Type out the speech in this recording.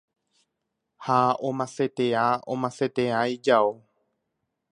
ha omasetea omasetea ijao